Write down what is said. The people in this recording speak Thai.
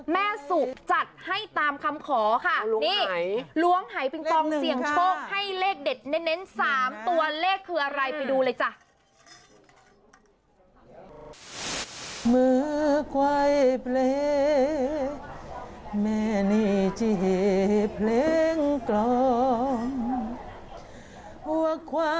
แม่สุจัดให้ตามคำขอค่ะนี่ล้วงหายปิงปองเสี่ยงโชคให้เลขเด็ดเน้น๓ตัวเลขคืออะไรไปดูเลยจ้ะ